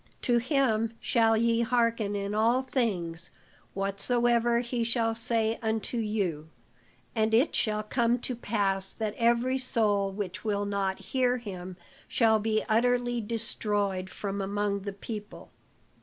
To him shall ye harken in all things whatsoever he shall say unto you. And it shall come to pass that every soul which will not hear him shall be utterly destroyed from among the people.